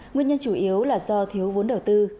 nguyên nhân chủ yếu là do thiếu vốn đầu tư